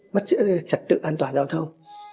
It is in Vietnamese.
mất chất tự an toàn giao thông